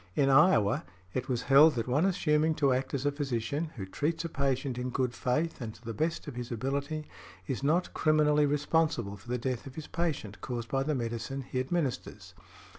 In Iowa, it was held that one assuming to act as a physician, who treats a patient in good faith and to the best of his ability, is not criminally responsible for the death of his patient, caused by the medicine he administers .